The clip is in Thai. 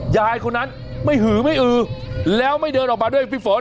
ยายคนนั้นไม่หือไม่อือแล้วไม่เดินออกมาด้วยพี่ฝน